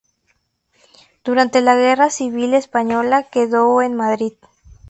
Durante la Guerra Civil Española quedó en Madrid.